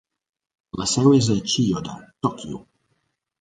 La seu és a Chiyoda, Tòquio.